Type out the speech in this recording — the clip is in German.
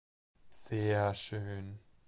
Sehr schön!